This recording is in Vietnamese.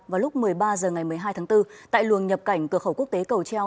vào lúc một mươi ba h ngày một mươi hai tháng bốn tại luồng nhập cảnh cửa khẩu quốc tế cầu treo